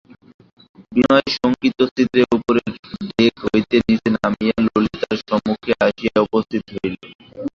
বিনয় শঙ্কিতচিত্তে উপরের ডেক হইতে নীচে নামিয়া ললিতার সম্মুখে আসিয়া উপস্থিত হইল।